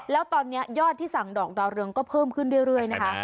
แล้วตอนนี้ยอดที่สั่งดอกดาวเรืองก็เพิ่มขึ้นเรื่อยนะคะ